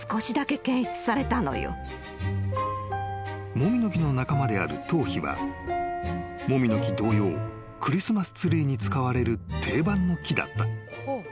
［モミの木の仲間であるトウヒはモミの木同様クリスマスツリーに使われる定番の木だった］